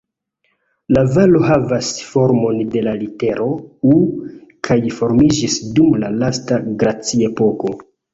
La valo havas formon de la litero "U" kaj formiĝis dum la lasta glaciepoko.